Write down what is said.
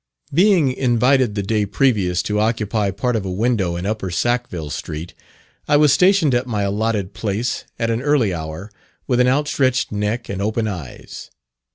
Being invited the day previous to occupy part of a window in Upper Sackville Street, I was stationed at my allotted place, at an early hour, with an out stretched neck and open eyes.